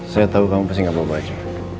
saya tau kamu pasti gak bawa baju